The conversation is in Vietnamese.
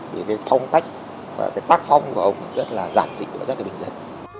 vì cái phong tách và cái tác phong của ông ấy rất là giản dị và rất là bình dân